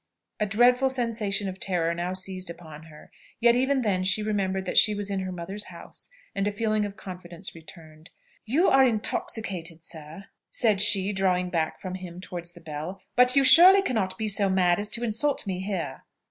A dreadful sensation of terror now seized upon her; yet even then she remembered that she was in her mother's house, and a feeling of confidence returned. "You are intoxicated, sir!" said she drawing back from him towards the bell. "But you surely cannot be so mad as to insult me here!"